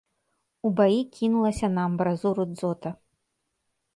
У баі кінулася на амбразуру дзота.